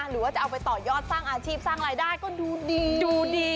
หรือว่าจะเอาไปต่อยอดสร้างอาชีพสร้างรายได้ก็ดูดีดูดี